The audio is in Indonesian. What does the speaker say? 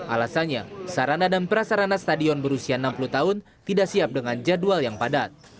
alasannya sarana dan prasarana stadion berusia enam puluh tahun tidak siap dengan jadwal yang padat